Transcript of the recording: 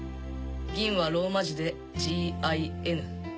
銀はローマ字でＧＩＮ。